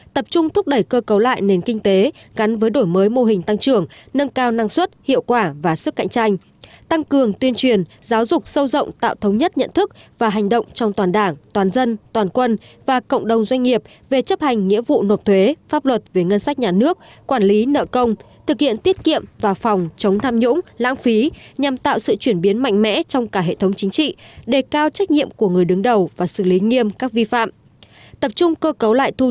tập trung thúc đẩy cơ cấu lại nền kinh tế gắn với đổi mới mô hình tăng trưởng nâng cao năng suất hiệu quả và sức cạnh tranh tăng cường tuyên truyền giáo dục sâu rộng tạo thống nhất nhận thức và hành động trong toàn đảng toàn dân toàn quân và cộng đồng doanh nghiệp về chấp hành nhiệm vụ nộp thuế pháp luật về ngân sách nhà nước quản lý nợ công thực hiện tiết kiệm và phòng chống tham nhũng lãng phí nhằm tạo sự chuyển biến mạnh mẽ trong cả hệ thống chính trị đề cao trách nhiệm của người đứng đầu và xử lý nghi